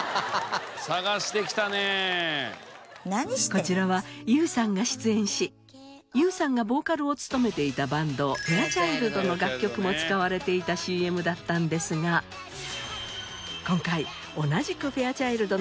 こちらはＹＯＵさんが出演しＹＯＵさんがボーカルを務めていたバンドＦＡＩＲＣＨＩＬＤの楽曲も使われていたＣＭだったのですが今回同じく何？